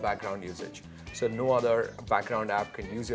yang tidak ada di mana mana lainnya